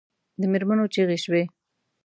د مېرمنو چیغې شوې.